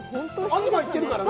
東、行ってるからね。